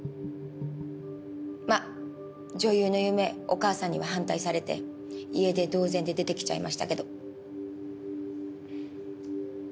お母さんには反対されて家出同然で出てきちゃいましたけど。